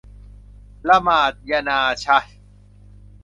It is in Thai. ละหมาดญะนาซะฮ์